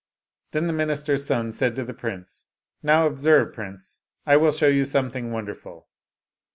Then the minister's son said to the prince, " Now observe, prince, I will show you something wonderful."